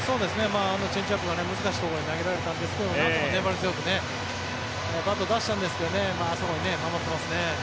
チェンジアップ難しいところに投げられたんですがなんとか粘り強くバットを出したんですけどあそこ、守ってますね。